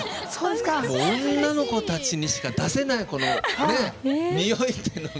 女の子たちにしか出せないにおいっていうのが。